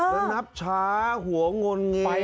กระนับช้าหัวงนเงียน